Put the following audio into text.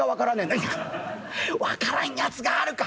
「いや分からんやつがあるか！」。